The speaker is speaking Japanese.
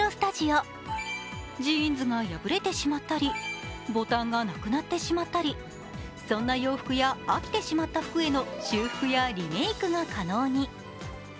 ジーンズが破れてしまったりボタンがなくなってしまったりそんな洋服や飽きてしまった服への修復やリメークが可能に。